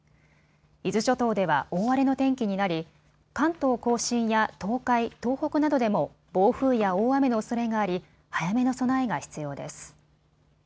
伊豆諸島では大荒れの天気になり関東甲信や東海、東北などでも暴風や大雨のおそれがあり早めの備えが必要です。